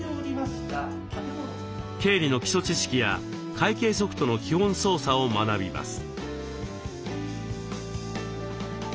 経理の基礎知識や会計ソフトの基本操作を学びます。